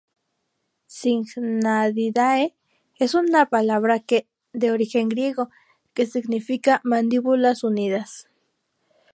Syngnathidae es una palabra de origen griego que significa "mandíbulas unidas".